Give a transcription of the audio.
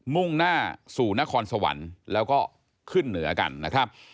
มุ่งหน้าสู่นครสวรรค์แล้วก็ขึ้นเหนือกันนะครับ